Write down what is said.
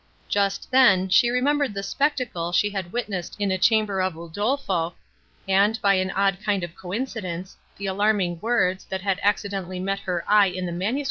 Just then, she remembered the spectacle she had witnessed in a chamber of Udolpho, and, by an odd kind of coincidence, the alarming words, that had accidentally met her eye in the MS.